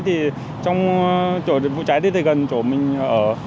trong chỗ vụ cháy đấy thì gần chỗ mình ở